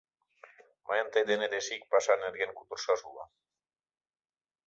Мыйын тый денет эше ик паша нерген кутырышаш уло.